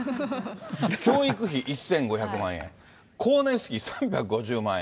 教育費１５００万円、光熱費３５０万円。